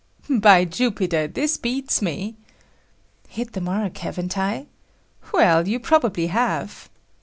"By Jupiter! This beats me!" "Hit the mark, haven't I?" "Well, you probably have."